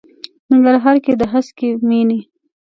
ننګرهار کې د هسکې مېنې.